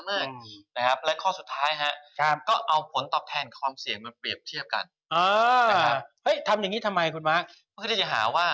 วิธีการได้ง่ายคุณตอบแทนกองทุนจะทำได้เท่าไหร่